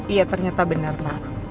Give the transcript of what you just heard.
iya ternyata benar pak